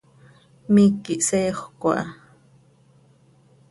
Miiqui hseejöc aha.